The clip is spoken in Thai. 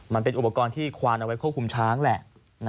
มันเป็นอุปกรณ์ที่ควานเอาไว้ควบคุมช้างแหละ